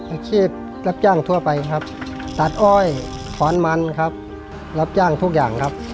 อาชีพรับจ้างทั่วไปครับตัดอ้อยขอนมันครับรับจ้างทุกอย่างครับ